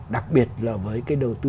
đặc biệt là với cái đầu tư